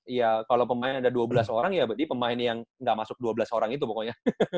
iya kalau pemain ada dua belas orang ya berarti pemain yang nggak masuk dua belas orang itu pokoknya